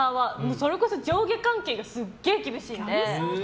それこそ上下関係がすっげえ厳しいんで。